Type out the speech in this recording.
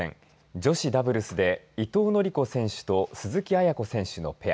女子ダブルスで伊藤則子選手と鈴木亜弥子選手のペア。